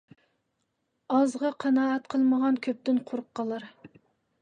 ئازغا قانائەت قىلمىغان كۆپتىن قۇرۇق قالار.